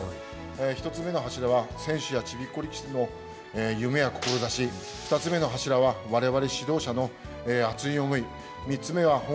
１つ目の柱は選手やちびっこ力士の夢や志、２つ目の柱はわれわれ指導者の熱い思い、３つ目は保護